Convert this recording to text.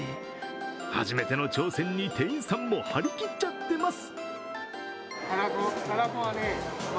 初めての挑戦に店員さんも張り切っちゃってます。